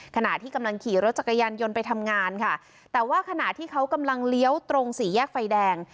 ขณะที่กำลังขี่รถจักรยานยนต์ไปทำงานค่ะแต่ว่าขณะที่เขากำลังเลี้ยวตรงสี่แยกไฟแดง